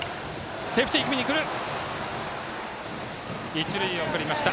一塁送りました。